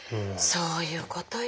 そういうことよね。